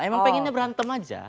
emang pengennya berantem aja